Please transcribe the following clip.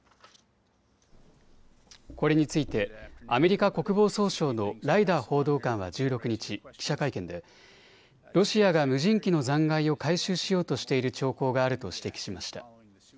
これについてアメリカ国防総省のライダー報道官は１６日、記者会見でロシアが無人機の残骸を回収しようとしている兆候があると指摘しました。